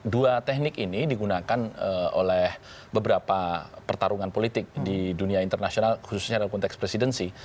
dua teknik ini digunakan oleh beberapa pertarungan politik di dunia internasional khususnya dalam konteks presidensi